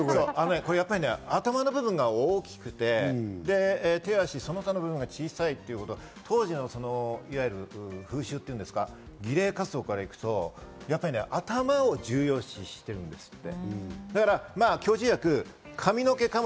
これ、頭の部分が大きくて、手足やその他の部分が小さいというのは、当時の風習というか、儀礼活動から言うと、やはり頭を重要視しているんですって。